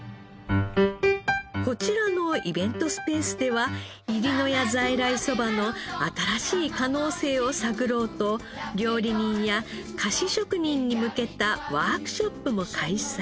こちらのイベントスペースでは入野谷在来そばの新しい可能性を探ろうと料理人や菓子職人に向けたワークショップも開催。